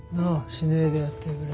しねえでやってくれ。